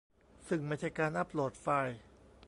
ซึ่งไม่ใช่การอัปโหลดไฟล์